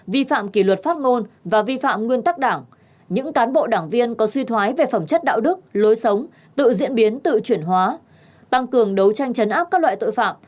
vi phạm kỷ luật phát ngôn và vi phạm nguyên tắc đảng những cán bộ đảng viên có suy thoái về phẩm chất đạo đức lối sống tự diễn biến tự chuyển hóa tăng cường đấu tranh chấn áp các loại tội phạm